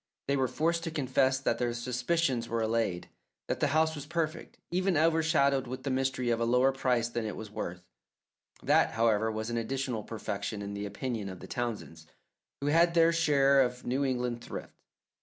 They were forced to confess that their suspicions were allayed, that the house was perfect, even overshadowed with the mystery of a lower price than it was worth. That, however, was an additional perfection in the opinion of the Townsends, who had their share of New England thrift.